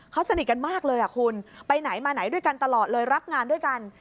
เขาสนิทกันมากเลยคุณไปไหนมาไหนด้วยกันตลอดเลยรับงานด้วยกัน